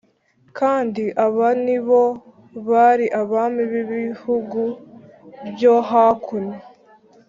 Kandi aba ni bo bari abami b’ibihugu byo hakuno